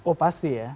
oh pasti ya